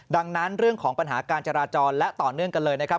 ดังนั้นเรื่องของปัญหาการจราจรและต่อเนื่องกันเลยนะครับ